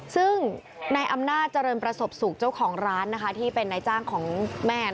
ซึ่งในอำนาจเจริญประสบสุขเจ้าของร้านที่เป็นนายจ้างของแม่